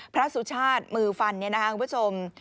สุชาติมือฟันเนี่ยนะครับคุณผู้ชม